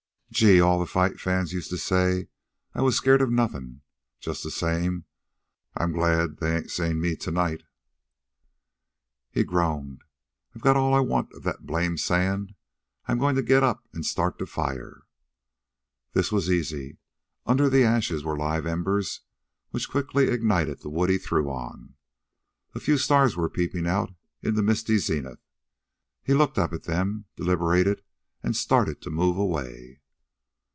"Gee! all the fight fans used to say I was scairt of nothin'. Just the same I'm glad they ain't seein' me to night." He groaned. "I've got all I want of that blamed sand. I'm goin' to get up and start the fire." This was easy. Under the ashes were live embers which quickly ignited the wood he threw on. A few stars were peeping out in the misty zenith. He looked up at them, deliberated, and started to move away.